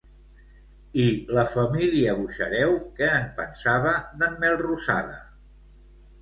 I la família Buxareu què en pensava, d'en Melrosada?